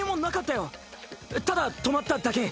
ただ泊まっただけ。